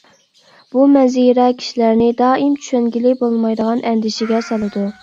بۇ مەنزىرە كىشىلەرنى دائىم چۈشەنگىلى بولمايدىغان ئەندىشىگە سالىدۇ.